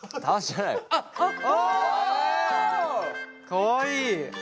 かわいい。